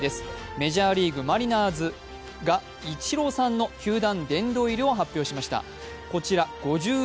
メジャーリーグ・マリナーズがイチローさんの球団殿堂入りを発表しました。